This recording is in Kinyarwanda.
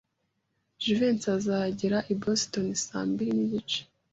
Jivency azagera i Boston saa mbiri nigice.